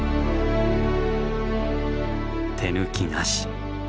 手抜きなし。